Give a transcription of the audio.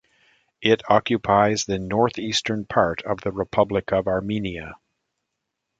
It occupies the northeastern part of the Republic of Armenia.